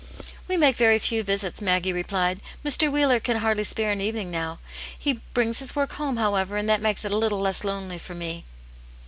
" We make very few visits," Maggie replied. " Mr. Wheeler can rarely spare an evening now ; he brings his work home, however, and that makes it a little less lonely for me."